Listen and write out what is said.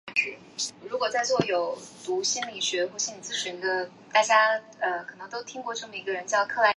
威尔士共产党是不列颠共产党在威尔士的分支。